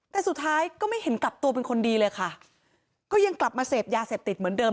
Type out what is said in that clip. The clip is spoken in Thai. แต่สุดท้ายก็ไม่เห็นกลับตัวเป็นคนดีเลยค่ะก็ยังกลับมาเสพยาเสพติดเหมือนเดิม